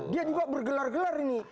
dia juga bergelar gelar ini